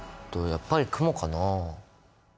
やっぱりクモかな？